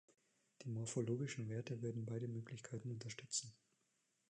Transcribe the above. Die morphologischen Werte würden beide Möglichkeiten unterstützen.